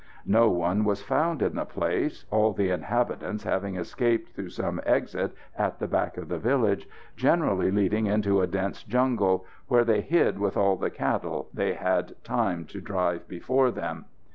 No one was found in the place, all the inhabitants having escaped through some exit at the back of the village, generally leading into a dense jungle, where they hid with all the cattle they had time to drive before them.